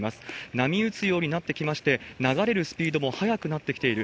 波打つようになってきまして、流れるスピードも速くなってきている。